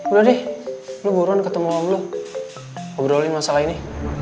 udah deh lu buruan ketemu lo ngobrolin masalah ini